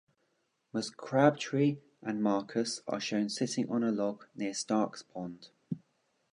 Ms. Crabtree and Marcus are shown sitting on a log near Stark's Pond.